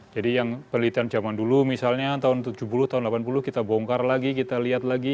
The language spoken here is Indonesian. jadi yang penelitian zaman dulu misalnya tahun tujuh puluh tahun delapan puluh kita bongkar lagi kita lihat lagi